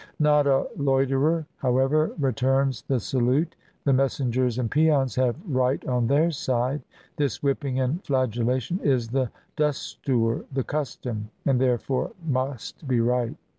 Not a loiterer, however, returns the salute — the messengers and peons have right on their side; this whipping and flagellation is the dustoor, the custom, and therefore must be right.